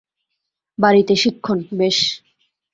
বাড়িতে শিক্ষণ, বেশ।